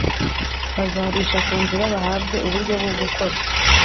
Bazarisha ku nzira bahabwe uburyo bwo gukora